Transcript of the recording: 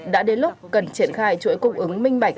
đã đến lúc cần triển khai chuỗi cung ứng